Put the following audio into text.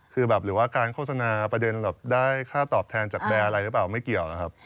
คือแบบหรือว่าการโฆษณาประเด็นแบบได้ค่าตอบแทนจากแบร์อะไรหรือเปล่าไม่เกี่ยวนะครับ